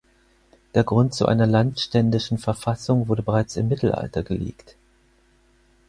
Der Grund zu einer landständischen Verfassung wurde bereits im Mittelalter gelegt.